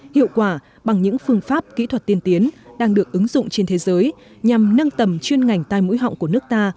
hiệu quả bằng những phương pháp kỹ thuật tiên tiến đang được ứng dụng trên thế giới nhằm nâng tầm chuyên ngành tai mũi họng của nước ta